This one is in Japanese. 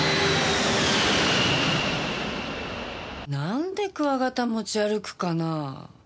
なんでクワガタ持ち歩くかなぁ。